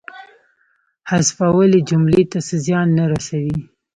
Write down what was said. حذفول یې جملې ته څه زیان نه رسوي.